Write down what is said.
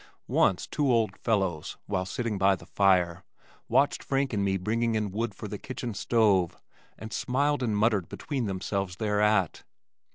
Once two old fellows, while sitting by the fire, watched Frank and me bringing in wood for the kitchen stove, and smiled and muttered between themselves thereat.